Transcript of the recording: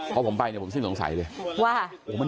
พอผมไปเนี่ยผมสิ้นสงสัยเลยว่า